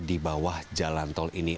di bawah jalan tol ini